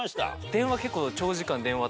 電話結構。